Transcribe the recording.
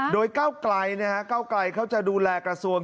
โดยก้าวไกลนะฮะเก้าไกลเขาจะดูแลกระทรวง